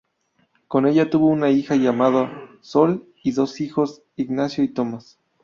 Con ella tuvo una hija, llamada Sol, y dos hijos, Ignacio y Tomas.